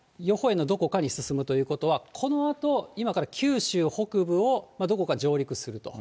この予報円のどこかに進むということは、このあと、今から九州北部をどこか上陸すると。